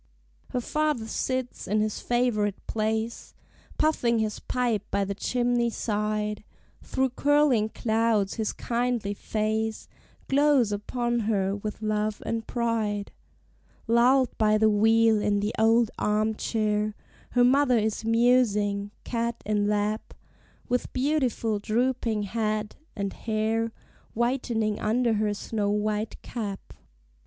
Her father sits in his favorite place, Puffing his pipe by the chimney side; Through curling clouds his kindly face Glows upon her with love and pride. Lulled by the wheel, in the old arm chair Her mother is musing, cat in lap, With beautiful drooping head, and hair Whitening under her snow white cap.